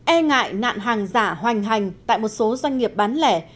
e ngại nạn hàng giả hoành hành tại một số doanh nghiệp bán lẻ